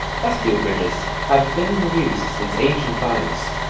Bascule bridges have been in use since ancient times.